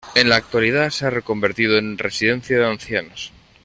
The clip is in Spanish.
En la actualidad se ha reconvertido en residencia de ancianos.